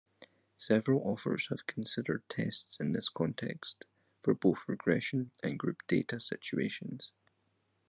Several authors have considered tests in this context, for both regression and grouped-data situations.